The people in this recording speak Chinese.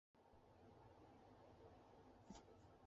莱利鳄的目前状态为疑名。